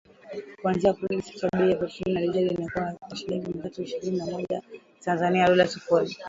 kuanzia Aprili sita, bei ya petroli na dizeli iliongezeka kwa shilingi mia tatu ishirini na moja za Tanzania (Dola sufuri).